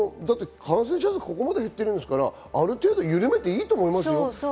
感染者数、ここまで減ってるんですから、ある程度ゆるめていいと思いますよ。